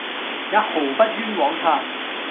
也毫不寃枉他。